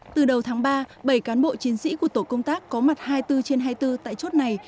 từ đầu tháng ba bảy cán bộ chiến sĩ của tổ công tác có mặt hai mươi bốn trên hai mươi bốn tại chốt này